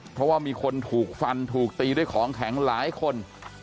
เพราะว่ามีคนถูกฟันถูกตีด้วยของแข็งหลายคน